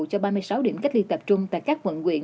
cho ba mươi sáu điểm cách ly tập trung tại các quận quyện